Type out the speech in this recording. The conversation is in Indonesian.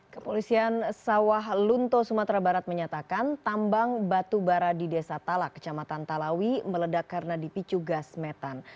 kepolisian sawah lunto sumatera barat menyatakan tambang batubara di desa talak kecamatan talawi meledak karena dipicu gas metan